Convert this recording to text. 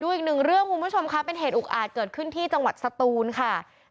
อีกหนึ่งเรื่องคุณผู้ชมค่ะเป็นเหตุอุกอาจเกิดขึ้นที่จังหวัดสตูนค่ะ